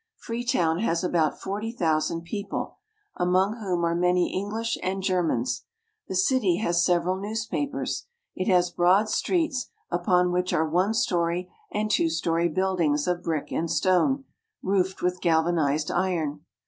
Freetown has about forty thousand people, iltmong whom are many English and Germans. The city iias several newspapers. It has broad streets, upon which ■^re one story and two story buildings of brick and stone, Foofed with galvanized iron.